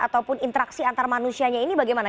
ataupun interaksi antar manusianya ini bagaimana